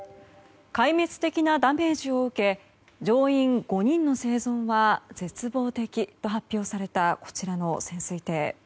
壊滅的なダメージを受け乗員５人の生存は絶望的と発表されたこちらの潜水艇。